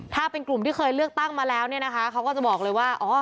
ถ้าเป็นกลุ่มที่เคยเลือกตั้งมาแล้วเนี่ยนะคะเขาก็จะบอกเลยว่า